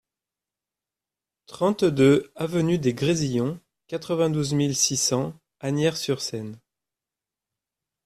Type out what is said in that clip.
trente-deux avenue des Grésillons, quatre-vingt-douze mille six cents Asnières-sur-Seine